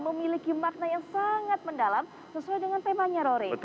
memiliki makna yang sangat mendalam sesuai dengan temanya rory